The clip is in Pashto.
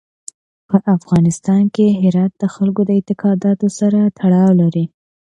په افغانستان کې هرات د خلکو د اعتقاداتو سره تړاو لري.